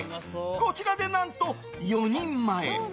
こちらで何と４人前。